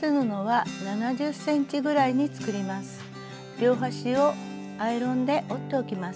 両端をアイロンで折っておきます。